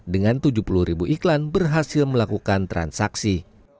dengan tujuh puluh ribu iklan berhasil melakukan transaksi